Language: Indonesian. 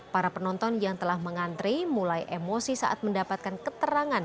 para penonton yang telah mengantri mulai emosi saat mendapatkan keterangan